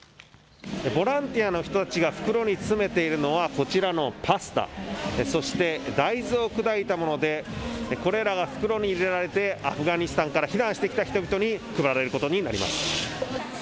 ボランティアの人たちが袋に詰めているのはこちらのパスタ、大豆を砕いたものでこれらが袋に入れられてアフガニスタンから避難してきた人々に配られることになります。